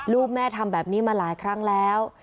ลูกแม่ทำแบบนี้มาหลายครั้งแล้ว